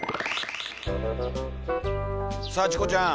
さあチコちゃん。